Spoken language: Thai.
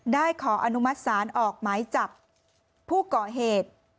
ได้ขออนุมัติศาสตร์ออกหมายจับผู้เกาะเหตุ